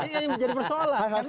ini menjadi persoalan